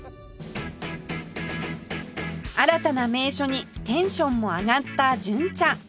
新たな名所にテンションも上がった純ちゃん